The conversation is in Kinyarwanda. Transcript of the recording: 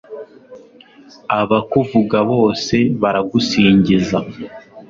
abakuvuga bose baragusingiza